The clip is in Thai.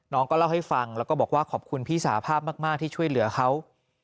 น้องก็เล่าให้ฟังแล้วก็บอกว่าขอบคุณพี่สาภาพมากที่ช่วยเหลือเขา